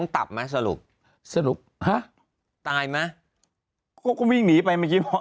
แต่ตุ๊กแกป่าจริงจริง